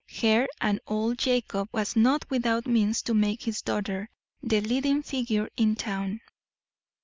her, and old Jacob was not without means to make his daughter the leading figure in town.